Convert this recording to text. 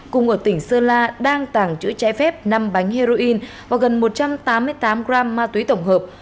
cùng ở tỉnh sơn la đang tàng trữ trái phép năm bánh heroin và gần một trăm tám mươi tám gram ma túy tổng hợp